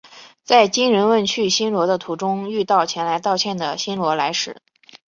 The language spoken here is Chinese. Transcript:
在金仁问去新罗的途中遇到前来道歉的新罗来使。